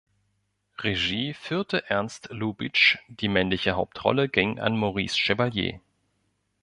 Regie führte Ernst Lubitsch, die männliche Hauptrolle ging an Maurice Chevalier.